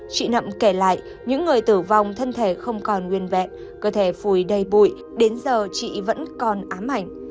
chị nậm kể lại những người tử vong thân thể không còn nguyên vẹn cơ thể phù đầy bụi đến giờ chị vẫn còn ám ảnh